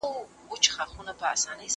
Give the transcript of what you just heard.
زه پرون لیکل کوم؟